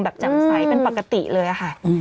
แบบจำไซม์เป็นปกติเลยค่ะ